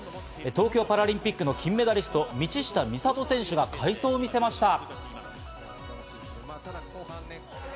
東京パラリンピック金メダリストの道下美里選手が快走を見せました。